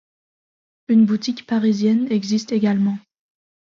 Une boutique parisienne existe également.